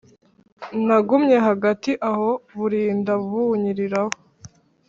nagumye hagati aho burinda bunyiriraho